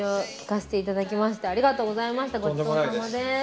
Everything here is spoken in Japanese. ごちそうさまです。